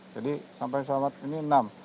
jadi sampai selamat ini enam